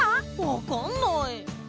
わかんない！